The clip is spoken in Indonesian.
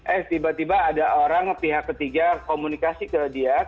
eh tiba tiba ada orang pihak ketiga komunikasi ke dia